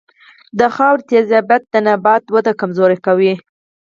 د خاورې تیزابیت د نبات وده کمزورې کوي.